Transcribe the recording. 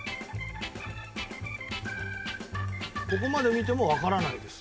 ここまで見てもわからないです